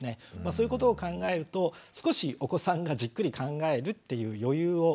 そういうことを考えると少しお子さんがじっくり考えるっていう余裕をですね